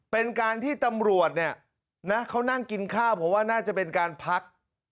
เป็นการที่ตำรวจเนี่ยนะเขานั่งกินข้าวเพราะว่าน่าจะเป็นการพัก